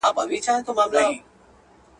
تازه زخمونه مي د خیال په اوښکو مه لمبوه.